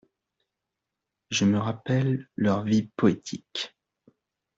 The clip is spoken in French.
Je me rappelle leurs vies poétiques.